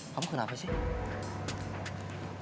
kamu kenapa sih